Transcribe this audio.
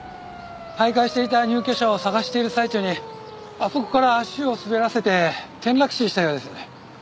徘徊していた入居者を捜している最中にあそこから足を滑らせて転落死したようです。